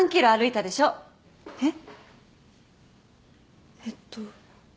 えっ？えっと。